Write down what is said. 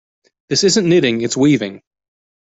This isn't knitting, its weaving.